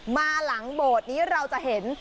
มาหลังบทที่เราจะเห็น